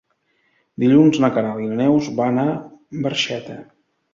Dilluns na Queralt i na Neus van a Barxeta.